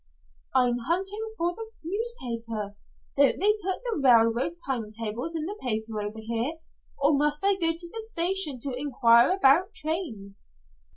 "I'm hunting for the newspaper. Don't they put the railroad time tables in the paper over here, or must I go to the station to inquire about trains?"